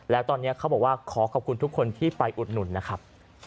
แล้วตอนนี้เขาบอกว่าขอขอบคุณทุกคนที่ไปอุดหนุนนะครับ